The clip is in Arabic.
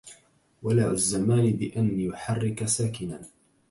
ولع الزمان بأن يحرك ساكنا